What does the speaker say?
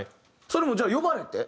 それもじゃあ呼ばれて？